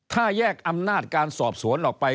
ถ้าแยกอำนาจการสอบสวนออกไป